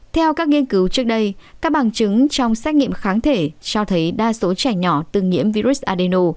theo các nghiên cứu trước đây các bằng chứng trong xét nghiệm kháng thể cho thấy đa số trẻ nhỏ từng nhiễm virus adeno